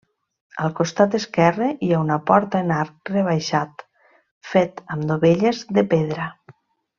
Al costat esquerre hi ha una porta en arc rebaixat, fet amb dovelles de pedra.